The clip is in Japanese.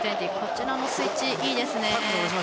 こちらもスイッチ、いいですね。